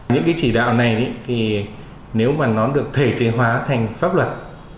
những cái chỉ đạo này thì nếu mà nó được thể chế hóa thành pháp luật